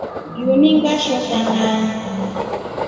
Linu ngeshoka nai.